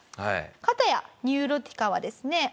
片やニューロティカはですね